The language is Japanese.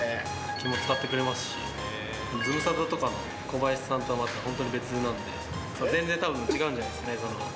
気も遣ってくれますし、ズムサタとかの小林さんとはまた本当に別なんで、全然たぶん違うんじゃないですかね。